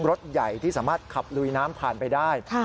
รถใหญ่ที่สามารถขับลุยน้ำผ่านไปได้